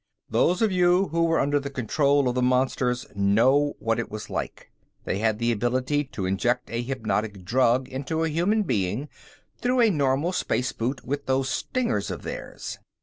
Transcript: "Those of you who were under the control of the monsters know what it was like. They had the ability to inject a hypnotic drug into a human being through a normal space boot with those stingers of theirs.